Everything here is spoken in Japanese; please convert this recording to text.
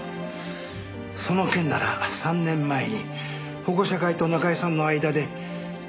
その件なら３年前に保護者会と中居さんの間で示談になりましたが。